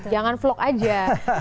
jangan vlog aja